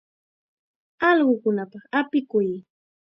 Allqukunapaq apikuy.